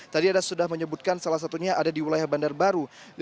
tadi ada sudah menyebutkan salah satunya ada di wilayah bandar baru